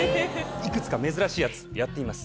いくつか珍しいやつやってみます。